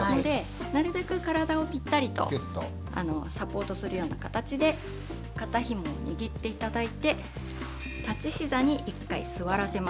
なるべく体をぴったりとサポートするような形で肩ひもを握って頂いて立ちひざに一回座らせます。